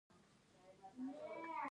هر څوک بايد خپل مسؤليت ادا کړي .